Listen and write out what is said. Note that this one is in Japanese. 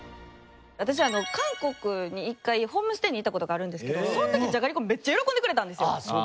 私韓国に一回ホームステイに行った事があるんですけどその時にじゃがりこめっちゃ喜んでくれたんですよ。